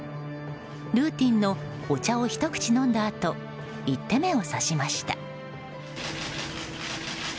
ルーティンのお茶をひと口飲んだあと１手目を指しました。